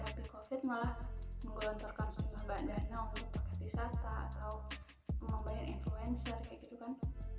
malah menggelontorkan semua badannya untuk paket wisata atau membayar influencer kayak gitu kan